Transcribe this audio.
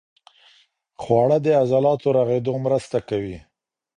خواړه د عضلاتو رغېدو مرسته کوي.